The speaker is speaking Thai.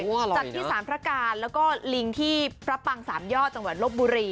จากที่สารพระการแล้วก็ลิงที่พระปังสามยอดจังหวัดลบบุรี